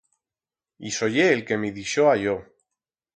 Ixo ye el que me dixó a yo.